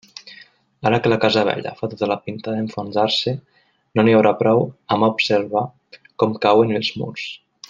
Ara que la casa vella fa tota la pinta d'enfonsar-se, no n'hi haurà prou amb observar com cauen els murs.